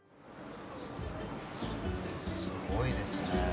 すごいですね。